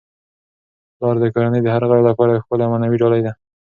پلار د کورنی د هر غړي لپاره یو ښکلی او معنوي ډالۍ ده.